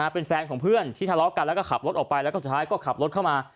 เป็นแฟนของเพื่อนที่ทะเลาะกันแล้วก็ขับรถออกไปแล้วก็สุดท้ายก็ขับรถเข้ามา